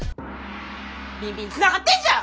ビンビンつながってんじゃん！